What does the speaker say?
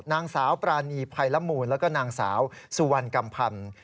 นางสาวปรานีภัยละมูลแล้วก็นางสาวสุวรรณกำพันธ์